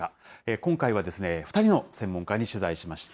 今回は、２人の専門家に取材しました。